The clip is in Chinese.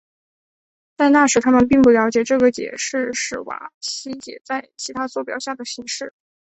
在那时他们并不了解这个解是史瓦西解在其他座标下的形式。